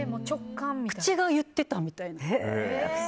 口が言ってたみたいな。